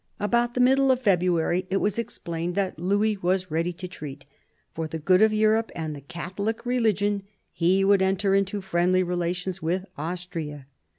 About the middle of February it was explained that Louis was ready to treat. For the good of Europe and the Catholic religion, he would enter into friendly relations with Austria.